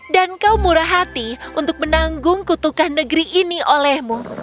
dan kau murah hati untuk menanggung kutukan negeri ini olehmu